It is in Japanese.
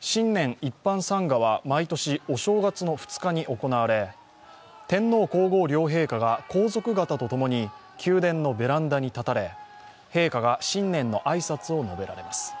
新年一般参賀は毎年、お正月の２日に行われ天皇・皇后両陛下が皇族方と共に宮殿のベランダに立たれ、陛下が新年の挨拶を述べられます。